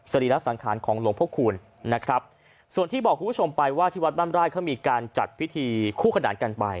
รีระสังขารของหลวงพระคูณนะครับส่วนที่บอกคุณผู้ชมไปว่าที่วัดบ้านไร่เขามีการจัดพิธีคู่ขนานกันไป